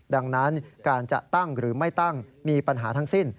ดังนั้นการจะตั้งหรือไม่ตั้งมีปัญหาทั้งสิ้น